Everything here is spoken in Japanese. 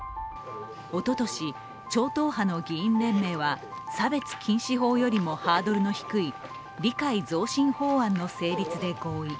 おととし、超党派の議員連盟は差別禁止法よりもハードルの低い理解増進法案の成立で合意。